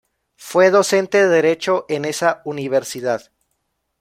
Fue docente de derecho en esa Universidad.